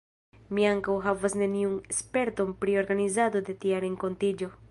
Mi ankaŭ havas neniun sperton pri organizado de tia renkontiĝo.